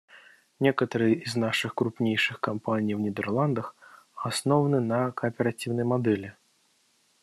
Некоторые из наших крупнейших компаний в Нидерландах основаны на кооперативной модели.